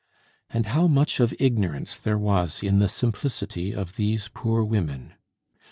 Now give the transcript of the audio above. And how much of ignorance there was in the simplicity of these poor women!